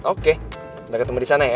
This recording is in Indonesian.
oke kita ketemu disana ya